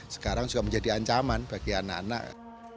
sekarang juga menjadi ancaman bagi anak anak